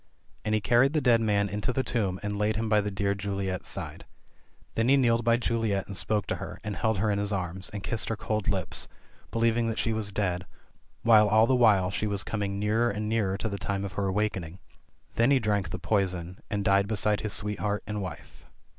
And he carried the dead man into the tomb and laid him by the dear Juliet's side. Then he kneeled by Juliet and spoke to her, and held her in his arms, and kissed her cold lips, believing that she was dead, while all the while she was coming nearer and nearer to the time of her awakening. Then he drank the poison, and died be side his sweetheart and wife.